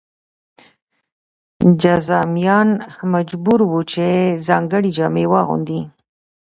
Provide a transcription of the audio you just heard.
جذامیان مجبور وو چې ځانګړې جامې واغوندي.